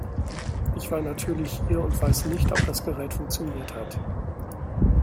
Ich war natürlich hier und weiß nicht, ob das Gerät funktioniert hat.